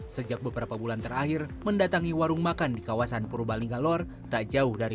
sejak beberapa bulan terakhir mendatangi warung makan di kawasan purbalingga lor tak jauh dari